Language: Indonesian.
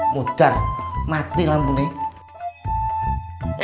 mudar mati lambungnya